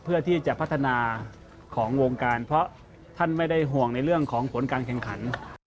เพื่อที่จะพัฒนาของวงการเพราะท่านไม่ได้ห่วงในเรื่องของผลการแข่งขัน